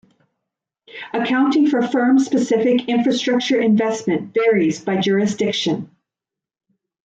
Accounting for firm-specific infrastructure investment varies by jurisdiction.